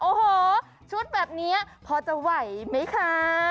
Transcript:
โอ้โหชุดแบบนี้พอจะไหวไหมคะ